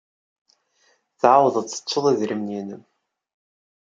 Tɛawdeḍ tettuḍ idrimen-nnem.